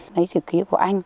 lấy chữ ký của anh